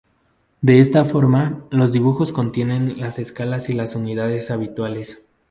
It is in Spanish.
De esta forma, los dibujos contienen las escalas y las unidades habituales.